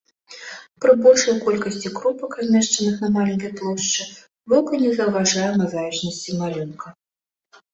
Пры большай колькасці кропак, размешчаных на маленькай плошчы, вока не заўважае мазаічнасці малюнка.